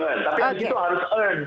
tapi itu harus earn